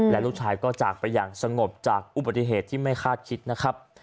และลูกชายก็จากไปอย่างสงบจากอุบัติเหตุที่ไม่คาดคิดนะครับ